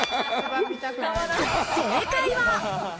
正解は。